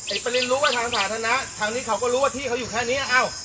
ประเด็นรู้ว่าทางสาธารณะทางนี้เขาก็รู้ว่าที่เขาอยู่แค่นี้อ้าว